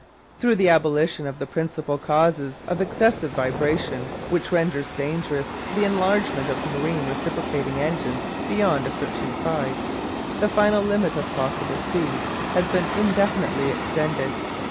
Through the abolition of the principal causes of excessive vibration which renders dangerous the enlargement of marine reciprocating engines beyond a certain size the final limit of possible speed has been indefinitely extended.